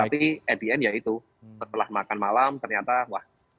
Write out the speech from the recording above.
tapi at the end ya itu setelah makan malam ternyata wah